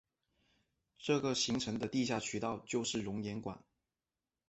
这个形成的地下渠道就是熔岩管。